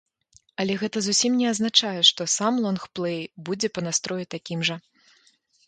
Але гэта зусім не азначае, што сам лонгплэй будзе па настроі такім жа.